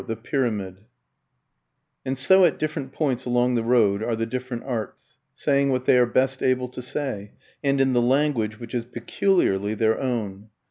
THE PYRAMID And so at different points along the road are the different arts, saying what they are best able to say, and in the language which is peculiarly their own.